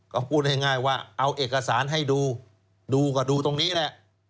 ก็พูดง่ายว่าเอาเอกสารให้ดูดูก็ดูตรงนี้แหละ